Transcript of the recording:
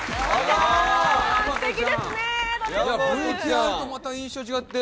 あら、ＶＴＲとまた印象違って。